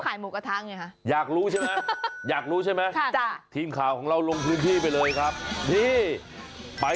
แล้วเค้าข่ายมูกระทะอย่างนี้ค่ะ